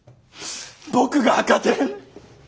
僕が赤点？